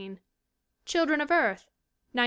Children of Earth, 1915.